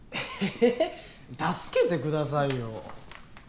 助けてくださいよ。